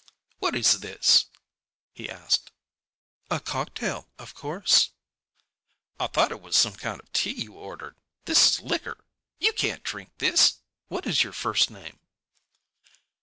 "What is this?" he asked. "A cocktail, of course." "I thought it was some kind of tea you ordered. This is liquor. You can't drink this. What is your first name?"